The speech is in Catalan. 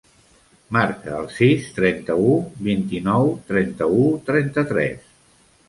Marca el sis, trenta-u, vint-i-nou, trenta-u, trenta-tres.